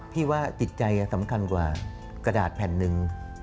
ว่าจิตใจสำคัญกว่ากระดาษแผ่นหนึ่ง